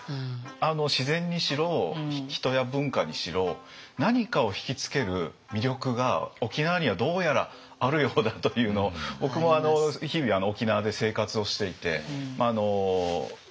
自然にしろ人や文化にしろ何かを引き付ける魅力が沖縄にはどうやらあるようだというのを僕も日々沖縄で生活をしていてすごく感じることですよね。